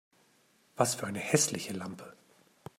Was für eine hässliche Lampe!